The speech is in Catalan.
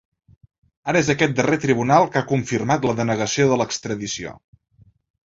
Ara és aquest darrer tribunal que ha confirmat la denegació de l’extradició.